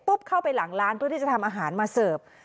เข้าไปหลังร้านเพื่อที่จะทำอาหารมาเสิร์ฟ